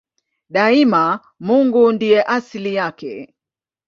Daima Mungu ndiye asili yake.